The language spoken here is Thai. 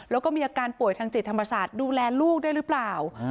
แล้วก็มีอาการป่วยทางจิตธรรมศาสตร์ดูแลลูกได้หรือเปล่า